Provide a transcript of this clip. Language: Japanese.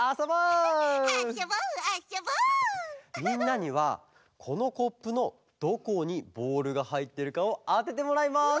みんなにはこのコップのどこにボールがはいっているかをあててもらいます！